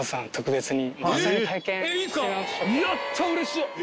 うれしい！